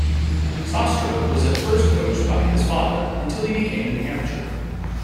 Sastre was at first coached by his father, until he became an amateur.